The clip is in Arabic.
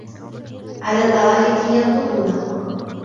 عَلَى الأَرائِكِ يَنظُرونَ